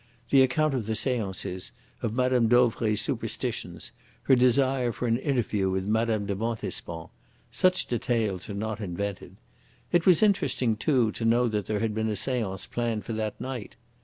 The account of the seances, of Mme. Dauvray's superstitions, her desire for an interview with Mme. de Montespan such details are not invented. It was interesting, too, to know that there had been a seance planned for that night!